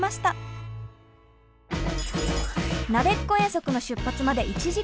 なべっこ遠足の出発まで１時間。